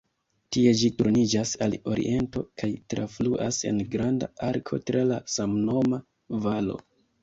Tie ĝi turniĝas al oriento kaj trafluas en granda arko tra la samnoma valo.